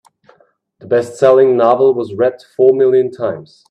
The bestselling novel was read four million times.